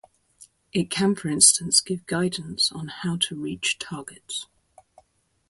It can for instance give guidance on how to reach targets.